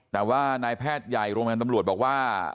แต่ว่านายแพทย์ใหญ่โรงพยาบาลตำรวจบอกว่า